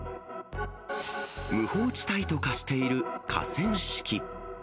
無法地帯と化している河川敷。